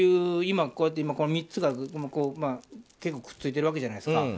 今、この３つが結構くっついてるじゃないですか。